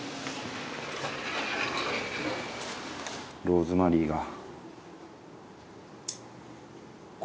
ローズマリーが。